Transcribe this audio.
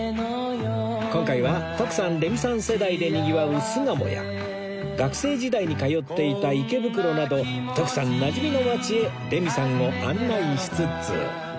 今回は徳さんレミさん世代でにぎわう巣鴨や学生時代に通っていた池袋など徳さんなじみの街へレミさんを案内しつつ